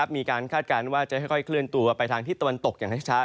คาดการณ์ว่าจะค่อยเคลื่อนตัวไปทางที่ตะวันตกอย่างช้า